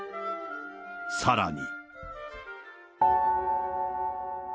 さらに。